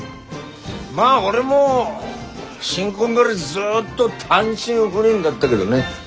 まあ俺も新婚ん時ずっと単身赴任だったげどね。